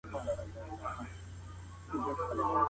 په کندهار کي د تولید کچه څنګه ده؟